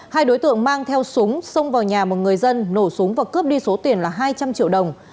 hai đối tượng mang theo súng xông vào nhà một người dân nổ súng và cướp đi số tiền là hai trăm linh triệu đồng